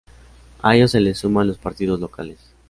A ellos se les suman los partidos locales.